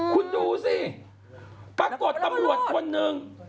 คุณดูสิปรากฏตำรวจคนหนึ่ง